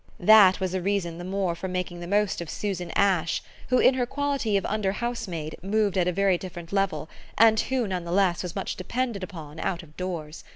That was a reason the more for making the most of Susan Ash, who in her quality of under housemaid moved at a very different level and who, none the less, was much depended upon out of doors.